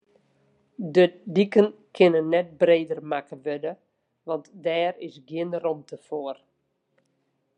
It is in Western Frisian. De diken kinne net breder makke wurde, want dêr is gjin romte foar.